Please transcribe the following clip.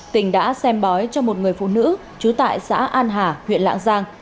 tỉnh đã xem bói cho một người phụ nữ trú tại xã an hà huyện lạng giang